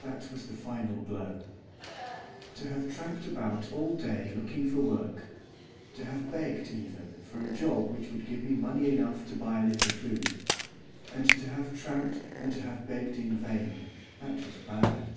That was the final blow. To have tramped about all day looking for work; to have begged even for a job which would give me money enough to buy a little food; and to have tramped and to have begged in vain, that was bad.